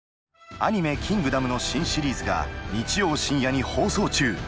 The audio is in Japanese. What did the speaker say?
アニメ「キングダム」の新シリーズが日曜深夜に放送中！